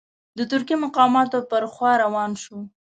د ترکي مقاماتو پر خوا روان شو.